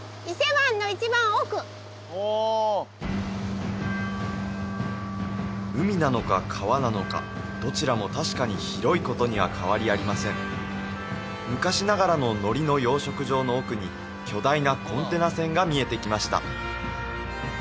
伊勢湾の一番奥おお海なのか川なのかどちらも確かに広いことには変わりありません昔ながらののりの養殖場の奥に巨大なコンテナ船が見えてきました